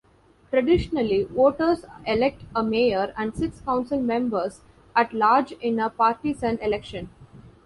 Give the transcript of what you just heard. Traditionally, voters elect a mayor and six council-members at-large in a partisan election.